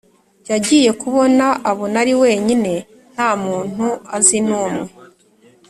yagiye kubona abona ari wenyine nta muntu azi numwe